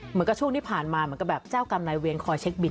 เหมือนกับช่วงที่ผ่านมาเหมือนกับแบบเจ้ากำไรเวียนคอยเช็คบิน